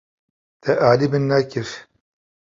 Te alî min nekir.